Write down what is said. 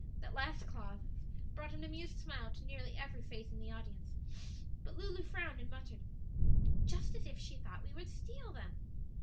That last clause brought an amused smile to nearly every face in the audience, but Lulu frowned, and muttered, "Just as if she thought we would steal them!"